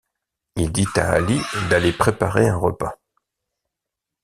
Il dit à Ali d'aller préparer un repas.